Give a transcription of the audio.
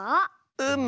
うむ。